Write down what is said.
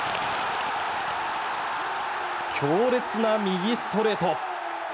強烈な右ストレート。